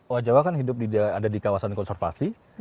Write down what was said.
oha jawa kan hidup di kawasan konservasi